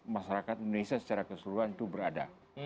masyarakat indonesia secara keseluruhan itu berada